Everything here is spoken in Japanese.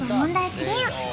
クリア